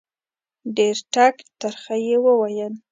ډېر ټک ترخه یې وویل